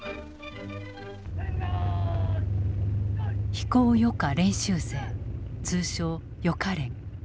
飛行予科練習生通称予科練。